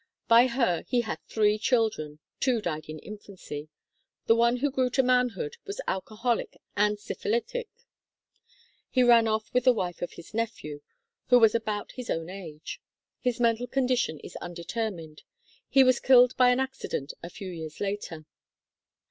By her, he had three children ; two died in infancy. The one who grew to manhood was alcoholic and syphilitic. He ran off with the wife of his nephew, who was about his own age. His mental condition is undetermined. He was killed by an accident a few years later.